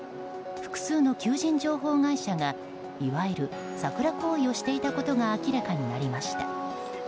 複数の求人情報会社が、いわゆるサクラ行為をしていたことが明らかになりました。